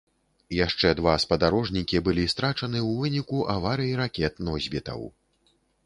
Яшчэ два спадарожнікі былі страчаны ў выніку аварый ракет-носьбітаў.